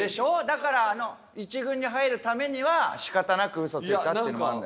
だからあの一軍に入るためには仕方なくウソついたっていうのもある。